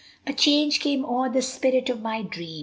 IV A change came o'er the spirit of my dream.